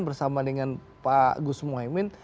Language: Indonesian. bersama dengan pak gus muhaymin